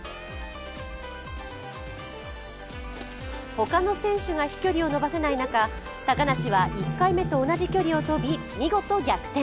他の選手が飛距離を伸ばせない中、高梨は１回目と同じ距離を飛び見事逆転。